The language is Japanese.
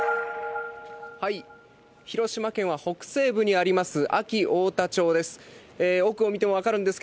広島県は北西部にあります、安芸太田町です。